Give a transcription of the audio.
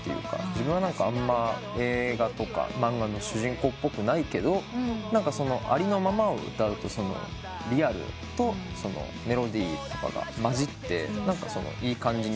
自分は映画とか漫画の主人公っぽくないけどありのままを歌うとリアルとメロディーとかがまじっていい感じになるという。